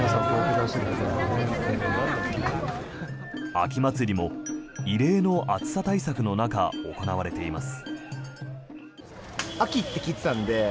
秋祭りも異例の暑さ対策の中行われています。